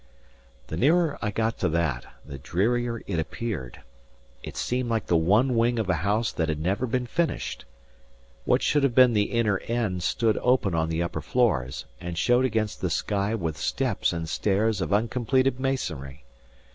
The nearer I got to that, the drearier it appeared. It seemed like the one wing of a house that had never been finished. What should have been the inner end stood open on the upper floors, and showed against the sky with steps and stairs of uncompleted masonry.